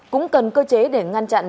cũng cần cơ chế để ngăn chặn